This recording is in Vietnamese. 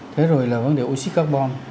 thế rồi là vấn đề oxy carbon